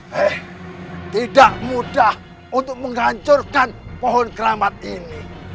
hei tidak mudah untuk menghancurkan pohon keramat ini